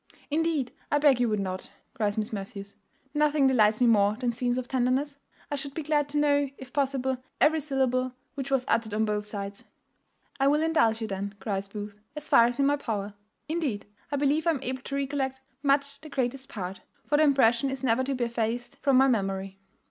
"Indeed, I beg you would not," cries Miss Matthews; "nothing delights me more than scenes of tenderness. I should be glad to know, if possible, every syllable which was uttered on both sides." "I will indulge you then," cries Booth, "as far as is in my power. Indeed, I believe I am able to recollect much the greatest part; for the impression is never to be effaced from my memory."